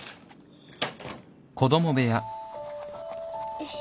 よし。